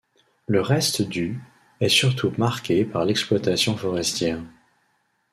Le reste du est surtout marqué par l'exploitation forestière.